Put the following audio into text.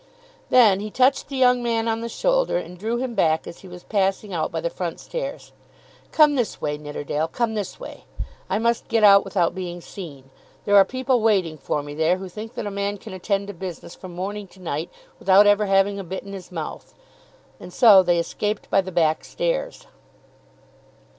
Then he touched the young man on the shoulder and drew him back as he was passing out by the front stairs. "Come this way, Nidderdale; come this way. I must get out without being seen. There are people waiting for me there who think that a man can attend to business from morning to night without ever having a bit in his mouth." And so they escaped by the back stairs.